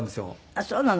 あっそうなの。